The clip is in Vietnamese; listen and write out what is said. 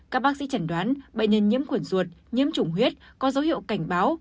các bác sĩ trần đoán bệnh nhân nhiễm khuẩn ruột nhiễm trùng huyết có dấu hiệu cảnh báo